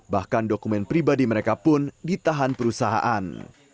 bahkan dokumen pribadi mereka pun ditahan perusahaan